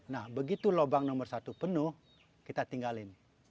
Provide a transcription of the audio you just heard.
nah begitu lubang nomor satu penuh kita tinggalin